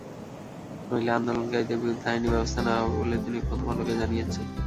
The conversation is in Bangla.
নইলে আন্দোলনকারীদের বিরুদ্ধে আইনি ব্যবস্থা নেওয়া হবে বলে তিনি প্রথম আলোকে জানিয়েছেন।